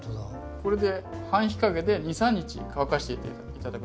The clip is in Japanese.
これで半日陰で２３日乾かして頂く。